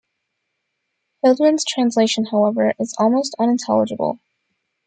Hilduin's translation, however, is almost unintelligible.